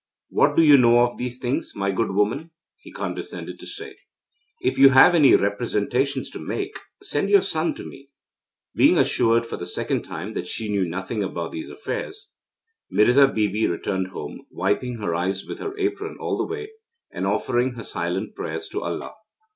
'What do you know of these things, my good woman?' he condescended to say. 'If you have any representations to make, send your son to me.' Being assured for the second time that she knew nothing about these affairs, Mirza Bibi returned home, wiping her eyes with her apron all the way, and offering her silent prayers to Allah.